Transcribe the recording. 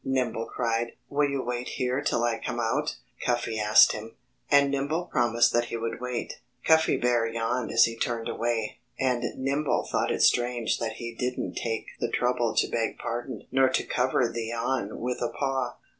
Nimble cried. "Will you wait here till I come out?" Cuffy asked him. And Nimble promised that he would wait. Cuffy Bear yawned as he turned away. And Nimble thought it strange that he didn't take the trouble to beg pardon, nor to cover the yawn with a paw.